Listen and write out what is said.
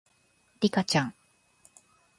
リカちゃん